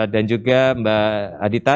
dan juga mbak adita